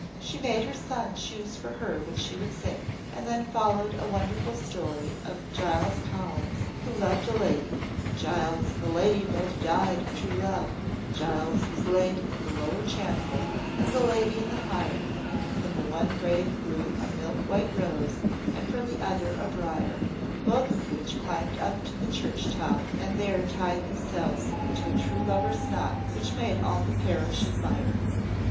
She made her son choose for her what she should sing; and then followed a wonderful story of Giles Collins, who loved a lady: Giles and the lady both died of true love; Giles was laid in the lower chancel, and the lady in the higher; from the one grave grew a milk white rose, and from the other a briar, both of which climbed up to the church top, and there tied themselves into a true lover's knot, which made all the parish admire.